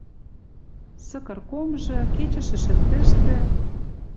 Сыкыргомжы, кечӹшӹ шӹртӹштӹ